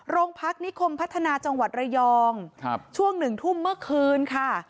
โรงพักนิคมพัฒนาจังหวัดระยองช่วงหนึ่งทุ่มเมื่อคืนค่ะ